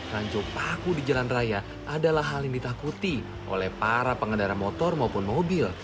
ranjau paku di jalan raya adalah hal yang ditakuti oleh para pengendara motor maupun mobil